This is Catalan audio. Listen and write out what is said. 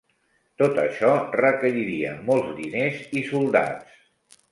Tot això requeriria molts diners i soldats.